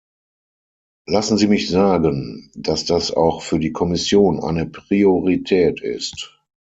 Lassen Sie mich sagen, dass das auch für die Kommission eine Priorität ist.